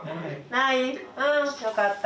ないうんよかった。